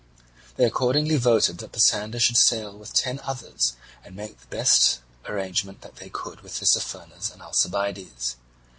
They accordingly voted that Pisander should sail with ten others and make the best arrangement that they could with Tissaphernes and Alcibiades.